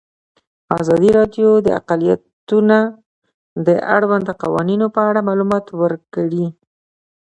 ازادي راډیو د اقلیتونه د اړونده قوانینو په اړه معلومات ورکړي.